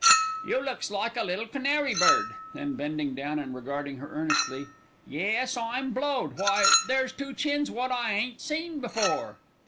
"You looks like a little canary bird." Then bending down and regarding her earnestly: "Yes, I'm blowed! why, there's two chins wot I ain't seen before."